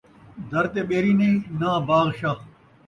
در تے ٻیری نئیں ، ناں باغ شاہ